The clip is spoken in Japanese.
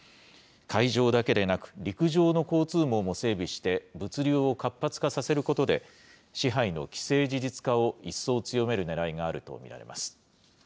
海上だけでなく、陸上の交通網も整備して、物流を活発化させることで、支配の既成事実化を一層強めるねらいがあると見られます。